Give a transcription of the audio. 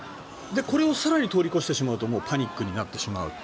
これを更に通り越してしまうともうパニックになってしまう。